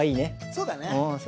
そうだね。